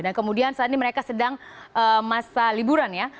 dan kemudian saat ini mereka sedang masa liburan ya